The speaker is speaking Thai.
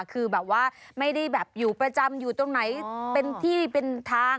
คือแบบว่าไม่ได้แบบอยู่ประจำอยู่ตรงไหนเป็นที่เป็นทาง